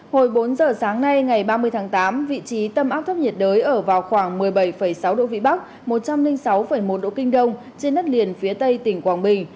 hồi bốn giờ sáng nay ngày ba mươi tháng tám vị trí tâm áp thấp nhiệt đới ở vào khoảng một mươi bảy sáu độ vĩ bắc một trăm linh sáu một độ kinh đông trên đất liền phía tây tỉnh quảng bình